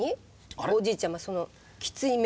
おじいちゃまそのきつい目。